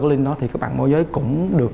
cái link đó thì các bạn mua giới cũng được